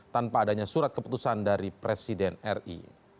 tanpa adanya surat keputusan dari presiden ri